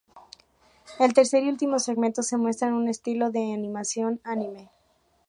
El tercer y último segmento se muestra en un estilo de animación anime.